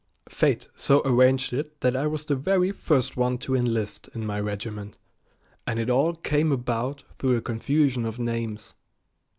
Fate so arranged it that I was the very first one to enlist in my regiment, and it all came about through a confusion of names.